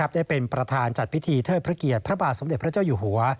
ได้เป็นประธานจัดพิธีเทิดพระเกียรติพระบาทสมเด็จพระเจ้าอยู่หัว